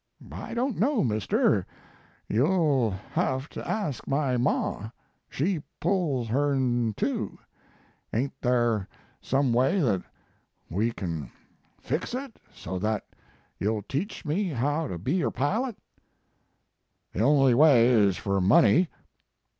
" I don t know, mister; you ll have to ask my ma. She pulls hern too. Ain t there some way that we can fix it, so that you ll teach me how to be er pilot? " The only way is for money.